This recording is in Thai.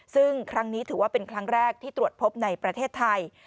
ซึ่งครั้งนี้ถือว่าเป็นครั้งแรกที่ตรวจพบในประเทศไทย